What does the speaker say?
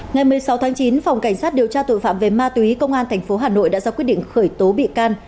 ngày một mươi sáu tháng chín phòng cảnh sát điều tra tội phạm về ma túy công an tp hà nội đã ra quyết định khởi tố bị can